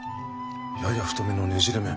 やや太めのねじれ麺。